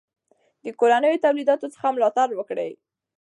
د کورنیو تولیداتو څخه ملاتړ وکړئ.